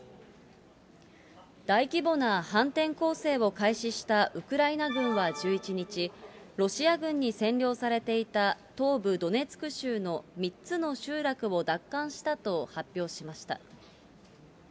大規模な反転攻勢を開始したウクライナ軍は１１日、ロシア軍に占領されていた東部ドネツク州の３つの集落を奪還したと発表しました。